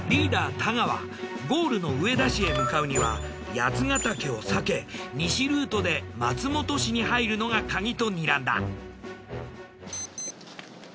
太川ゴールの上田市へ向かうには八ヶ岳を避け西ルートで松本市に入るのが鍵とにらんだ。